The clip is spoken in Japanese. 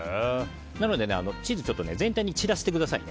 なのでチーズ全体的に散らしてください。